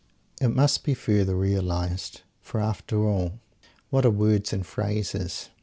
It must be further realized for after all what are words and phrases?